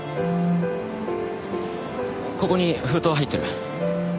ここに封筒が入ってる。